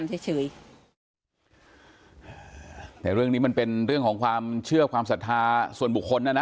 แต่เรื่องนี้มันเป็นเรื่องของความเชื่อความศรัทธาส่วนบุคคลนะนะ